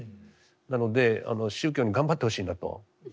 なので宗教に頑張ってほしいなと。